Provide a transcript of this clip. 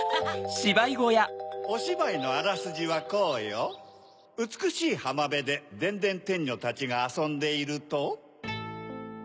・おしばいのあらすじはこうよ・うつくしいはまべででんでんてんにょたちがあそんでいると。